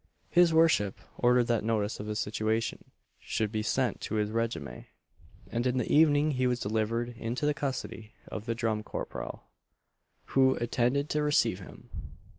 His worship ordered that notice of his situation should be sent to his regiment; and in the evening he was delivered into the custody of the drum corporal, who attended to receive him.